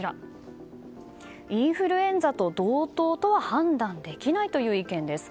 インフルエンザと同等とは判断できないという意見です。